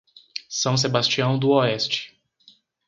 São Sebastião do Oeste